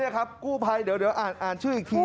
นี่ครับกู้ภัยเดี๋ยวอ่านชื่ออีกทีนะ